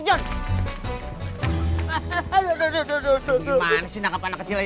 lu juga makan aja